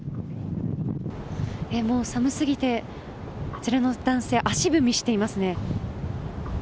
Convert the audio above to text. もう寒すぎてあちらの男性、足踏みしてますね。